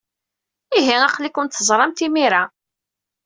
Ihi aql-ikent teẓramt imir-a.